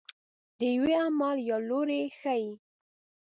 د یوه عمل یا لوری ښيي.